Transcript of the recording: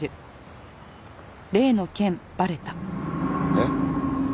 えっ？